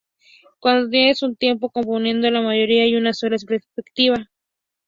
Cuando tienes a un tipo componiendo la mayoría hay una sola perspectiva.